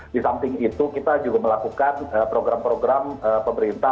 di samping itu kita juga melakukan program program pemerintah